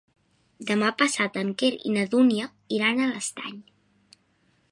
Demà passat en Quer i na Dúnia iran a l'Estany.